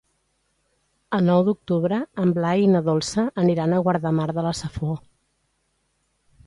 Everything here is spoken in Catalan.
El nou d'octubre en Blai i na Dolça aniran a Guardamar de la Safor.